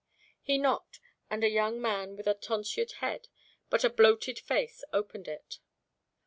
He knocked, and a young man with a tonsured head but a bloated face opened it.